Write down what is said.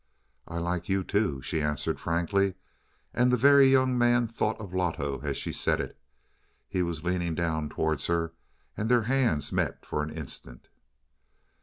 "I like you, too," she answered frankly, and the Very Young Man thought of Loto as she said it. He was leaning down towards her, and their hands met for an instant.